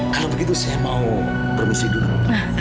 kalau begitu saya mau promosi dulu